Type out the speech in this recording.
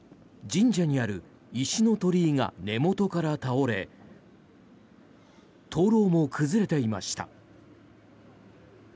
神社にある石の鳥居が根元から倒れ灯ろうも崩れていました。